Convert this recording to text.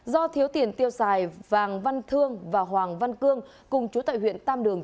do thiếu tiền tiêu xài vàng văn thương và hoàng văn cương cùng chú tại huyện tam đường